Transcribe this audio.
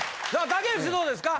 竹内どうですか？